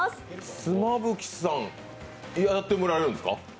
妻夫木さん、やってもらえるんですか？